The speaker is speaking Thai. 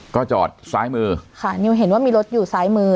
ก็จอดซ้ายมือค่ะนิวเห็นว่ามีรถอยู่ซ้ายมือ